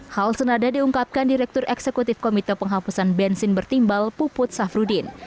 hal senada diungkapkan direktur eksekutif komite penghapusan bensin bertimbal puput safruddin